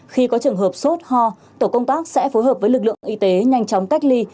khi có trường hợp sốt ho tổ công tác sẽ phối hợp với lực lượng y tế nhanh chóng cách ly